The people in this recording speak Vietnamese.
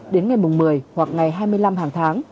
đến ngày một mươi hoặc ngày hai mươi năm hàng tháng